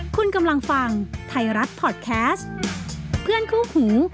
คุณกำลังฟังไทยรัฐพอร์ตแคสต์เพื่อนคู่หู